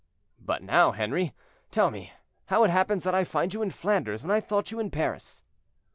"But now, Henri, tell me how it happens that I find you in Flanders when I thought you in Paris."